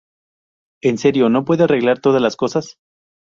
En serio, no puede arreglar todas las cosas".